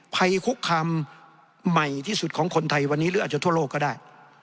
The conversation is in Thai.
ภัยคุกคามใหม่ที่สุดของคนไทยวันนี้หรืออาจจะทั่วโลกก็ได้